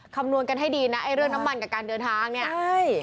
คำนวณกันให้ดีนะไอ้เรื่องน้ำมันกับการเดินทางเนี่ยใช่